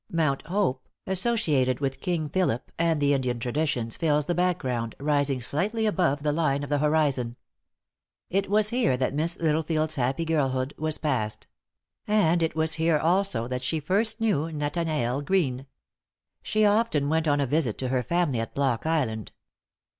Mount Hope, associated with King Philip, and the Indian traditions, fills the background, rising slightly above the line of the horizon. It was here that Miss Littlefield's happy girlhood was passed; and it was here also that she first knew Nathanael Greene. She often went on a visit to her family at Block Island.